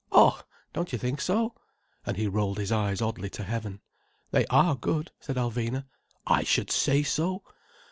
Oh! don't you think so?" And he rolled his eyes oddly to heaven. "They are good," said Alvina. "I should say so.